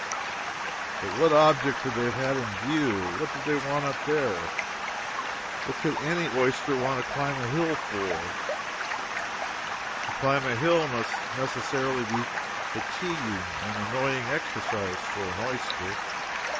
But what object could they have had in view? what did they want up there? What could any oyster want to climb a hill for? To climb a hill must necessarily be fatiguing and annoying exercise for an oyster.